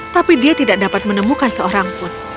tapi dia tidak dapat menemukan seorang pun